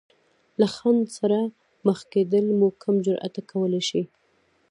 له خنډ سره مخ کېدل مو کم جراته کولی شي.